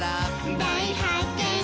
「だいはっけん」